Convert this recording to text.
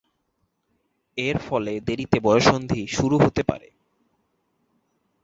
এর ফলে দেরীতে বয়ঃসন্ধি শুরু হতে পারে।